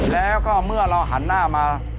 แล้วก็เมื่อเราหันหน้ามา